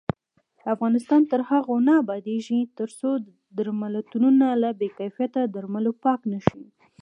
افغانستان تر هغو نه ابادیږي، ترڅو درملتونونه له بې کیفیته درملو پاک نشي.